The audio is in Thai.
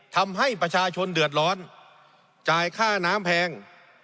ทำให้ประชาชนเดือดร้อนจ่ายค่าน้ำแพง